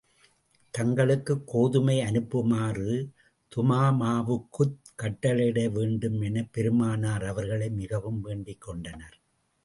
தங்களுக்குக் கோதுமை அனுப்புமாறு துமாமாவுக்குக் கட்டளையிட வேண்டும் என பெருமானார் அவர்களை மிகவும் வேண்டிக் கொண்டனர்.